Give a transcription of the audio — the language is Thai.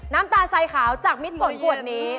น้ำตาลสายขาวจากมิดฝนกวดนี้